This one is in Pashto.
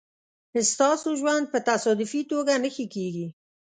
ستاسو ژوند په تصادفي توګه نه ښه کېږي.